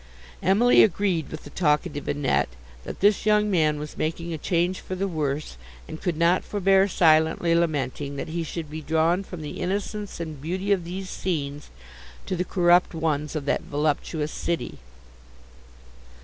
Emily agreed with the talkative Annette, that this young man was making a change for the worse, and could not forbear silently lamenting, that he should be drawn from the innocence and beauty of these scenes, to the corrupt ones of that voluptuous city.